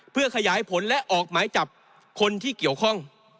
เพื่อขยายผลและออกหมายจับคนที่เกี่ยวข้อง